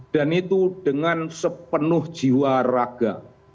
dan itu dengan sepenuh jiwa raga